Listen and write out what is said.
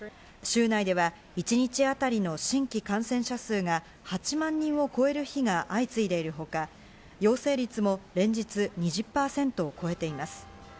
州内では一日当たりの新規感染者数が８万人を超える日が相次いでいるほか、陽性率も連日２０％を超えています。